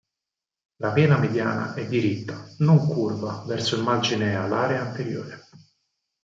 La vena mediana è diritta, non curva verso il margine alare anteriore.